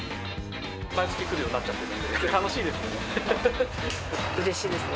毎月来るようになっちゃったうれしいですね。